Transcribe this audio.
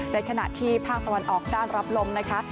ในขณะที่ภาคตะวันออกด้านรับลมนะคะ